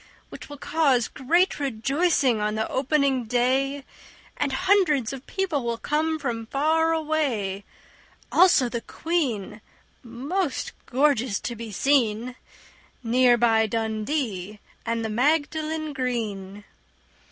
Which will cause great rejoicing on the opening day And hundreds of people will come from far away, Also the Queen, most gorgeous to be seen, Near by Dundee and the Magdalen Green.